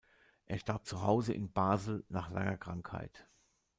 Er starb zuhause in Basel nach langer Krankheit.